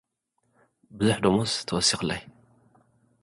ብዙሕ ደሞዝ ተወሲኹለይ።